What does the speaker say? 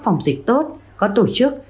phòng dịch tốt có tổ chức